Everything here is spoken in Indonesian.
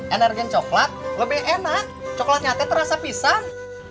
energen coklat lebih enak coklat nyate terasa pisang